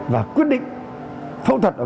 và quyết định là bệnh nhân sẽ được chữa bệnh